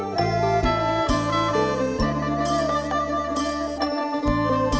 ต้องยูเอาชูน่าเราทนขับแรง